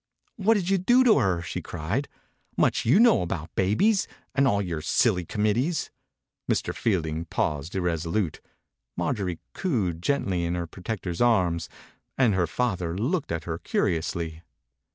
"What did you do to her?" she cried. "Much you know 60 THE INCUBATOR BABY about babies, and all your silly committees !" Mr. Fielding paused irresolute. Marjorie cooed gently in her protector's arms, and her father looked at her curiously.